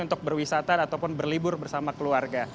untuk berwisata ataupun berlibur bersama keluarga